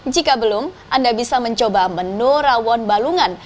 jika belum anda bisa mencoba menu rawon balungan